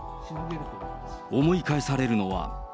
思い返されるのは。